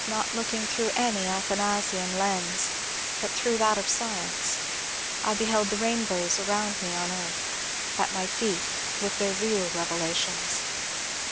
Now at thirty five, looking not through any Athanasian lens but through that of science, I beheld the rainbows around me on earth, at my feet, with their real revelations.